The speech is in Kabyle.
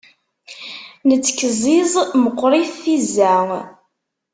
Nettkezziz meqrit tizza.